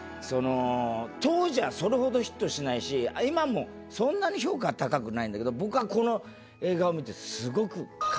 当時はそれほどヒットしないし今もそんなに評価は高くないんだけど僕はこの映画を見て。